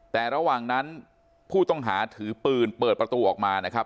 แต่ระหว่างนั้นผู้ต้องหาถือปืนเปิดประตูออกมานะครับ